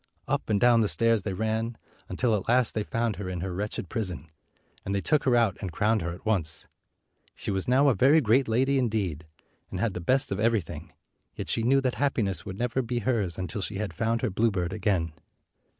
Up and down the stairs they ran, until at last they found 220 her in her wretched prison, and they took her out and crowned her at once. She was now a very great lady, indeed, and had the best of every thing, yet she knew that happiness would never be hers until she had found her bluebird again.